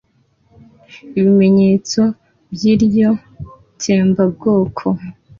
ibimenyetso by'iryo tsembabwoko